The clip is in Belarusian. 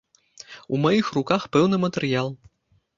У маіх руках пэўны матэрыял.